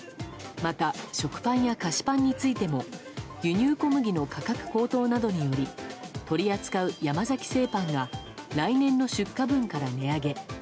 また食パンや菓子パンについても輸入小麦の価格高騰などにより取り扱う山崎製パンが来年の出荷分から値上げ。